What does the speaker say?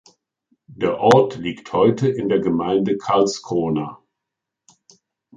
Der Ort liegt heute in der Gemeinde Karlskrona.